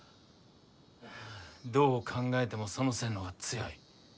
はあどう考えてもその線の方が強い。